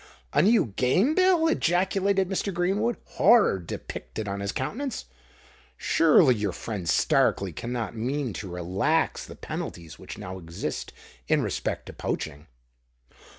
"A new Game Bill!" ejaculated Mr. Greenwood, horror depicted on his countenance. "Surely your friend Starkeley cannot mean to relax the penalties which now exist in respect to poaching?"